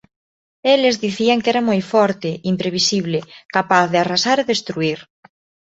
Eles dicían que era moi forte, imprevisible, capaz de arrasar e destruír.